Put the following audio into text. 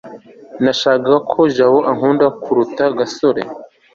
nashakaga ko jabo ankunda kuruta gasore